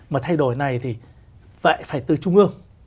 mà thay đổi này thì phải từ trung ương